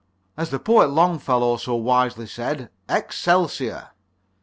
As the poet Longfellow so wisely said Excelsior.